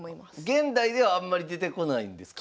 現代ではあんまり出てこないですね。